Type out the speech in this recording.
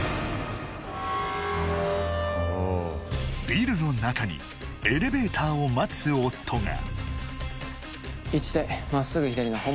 ビルの中にエレベーターを待つ夫が！